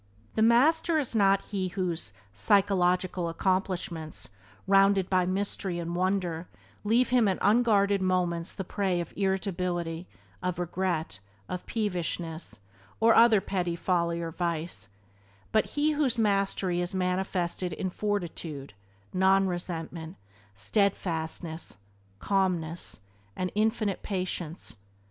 The master is not he whose "psychological accomplishments," rounded by mystery and wonder, leave him in unguarded moments the prey of irritability, of regret, of peevishness, or other petty folly or vice, but he whose "mastery" is manifested in fortitude, non resentment, steadfastness, calmness, and infinite patience.